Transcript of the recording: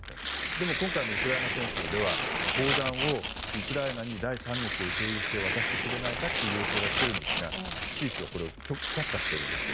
でも今回のウクライナ戦争では砲弾をウクライナに第三国を経由して渡してくれないかという要請が来ているんですがスイスはこれを却下しているんです。